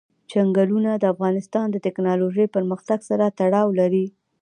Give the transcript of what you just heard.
چنګلونه د افغانستان د تکنالوژۍ پرمختګ سره تړاو لري.